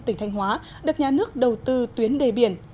tỉnh thanh hóa được nhà nước đầu tư tuyến đề biển